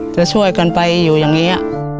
จะช่วยกันไปอยู่อย่างนี้